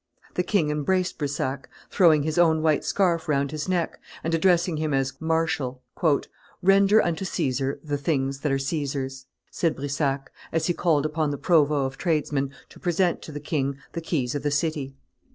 The king embraced Brissac, throwing his own white scarf round his neck, and addressing him as "Marshal." "Render unto Caesar the things that are Caesar's," said Brissac, as he called upon the provost of tradesmen to present to the king the keys of the city.